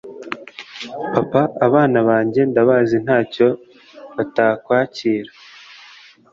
papa abana bange ndabazi ntacyo batakwakira